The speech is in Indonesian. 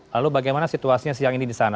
lalu bagaimana situasinya siang ini di sana